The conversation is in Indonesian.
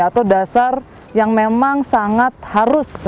atau dasar yang memang sangat harus